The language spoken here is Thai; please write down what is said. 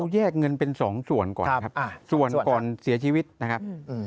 แยกเงินเป็นสองส่วนก่อนครับส่วนก่อนเสียชีวิตนะครับ